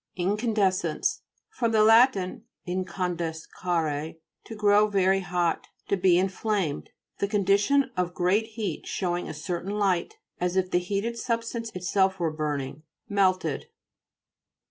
INCANDE'SCENCE fr. lat. incandes cere, to grow very hot, to be in flamed. The condition of great heat, showing a certain light, as if the heated substance itself were burning. Melted.